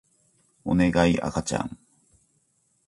おねがい赤ちゃん